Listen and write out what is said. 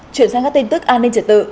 chuyển sang các tin tức an ninh trật tự